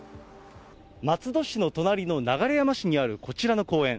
松戸市の隣の流山市にあるこちらの公園。